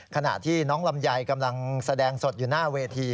ขณะที่น้องลำไยกำลังแสดงสดอยู่หน้าเวที